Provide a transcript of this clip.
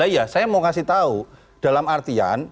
lah iya saya mau kasih tahu dalam artian